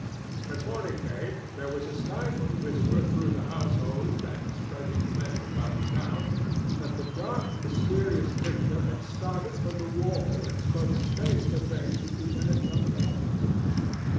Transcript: When morning came, there was a stifled whisper through the household, and spreading thence about the town, that the dark mysterious picture had started from the wall and spoken face to face with Lieutenant governor Hutchinson.